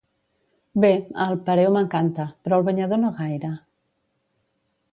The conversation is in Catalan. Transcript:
Bé, el pareo m'encanta, però el banyador no gaire.